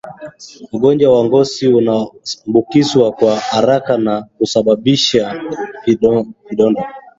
Ugonjwa wa ngozi unaambukizwa kwa haraka na kusababisha vidonda